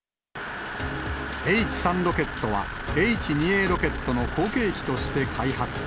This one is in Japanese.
Ｈ３ロケットはＨ２Ａロケットの後継機として開発。